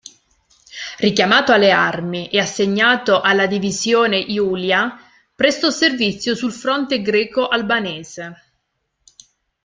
Richiamato alle armi e assegnato alla Divisione Julia, prestò servizio sul fronte greco-albanese.